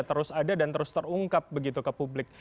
terus ada dan terus terungkap begitu ke publik